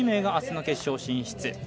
上位１２名があすの決勝進出。